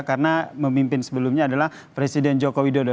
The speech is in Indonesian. karena memimpin sebelumnya adalah presiden jokowi dodo